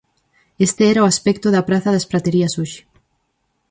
Este era o aspecto da praza das Praterías hoxe.